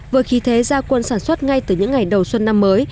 với khí thế gia quân sản xuất ngay từ những ngày đầu xuân năm mới